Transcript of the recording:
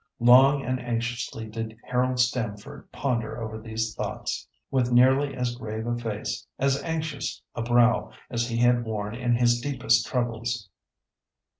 Long and anxiously did Harold Stamford ponder over these thoughts, with nearly as grave a face, as anxious a brow, as he had worn in his deepest troubles.